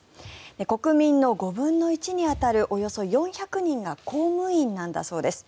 国民の５分の１に当たるおよそ４００人が公務員だそうです。